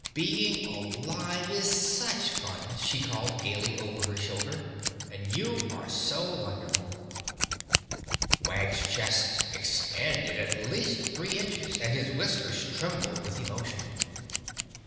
"Being alive is such fun!" she called gaily over her shoulder, "and you are so wonderful!" Wag's chest expanded at least three inches and his whiskers trembled with emotion.